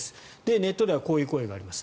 ネットではこういう声があります。